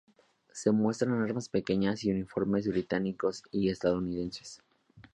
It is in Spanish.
Se muestran armas pequeñas y uniformes británicos y estadounidenses.